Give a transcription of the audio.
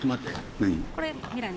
何？